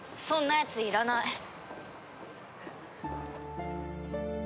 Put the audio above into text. そんなやついらない。